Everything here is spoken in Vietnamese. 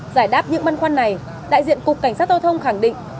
giải đáp những băn khoăn này đại diện cục cảnh sát giao thông khẳng định